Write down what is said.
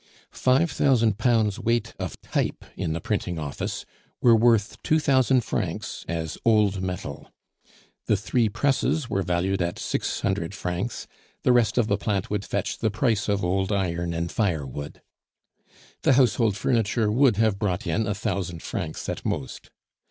Five thousand pounds' weight of type in the printing office were worth two thousand francs as old metal; the three presses were valued at six hundred francs; the rest of the plant would fetch the price of old iron and firewood. The household furniture would have brought in a thousand francs at most.